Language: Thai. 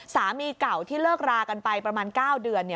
สามีเก่าที่เลิกรากันไปประมาณ๙เดือน